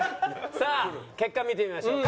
さあ結果見てみましょう。